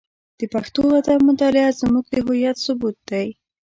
د پښتو ادب مطالعه زموږ د هویت ثبوت دی.